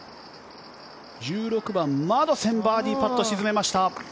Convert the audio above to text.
１６番、マドセンバーディーパット、沈めました。